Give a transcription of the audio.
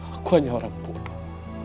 aku hanya orang bodoh